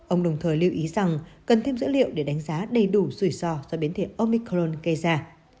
ông đồng thời lưu ý rằng cần thêm dữ liệu để đánh giá đầy đủ rủi ro do biến thể omicron gây ra